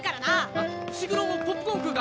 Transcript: あっ伏黒もポップコーン食うか？